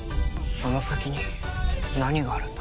その先に何があるんだ？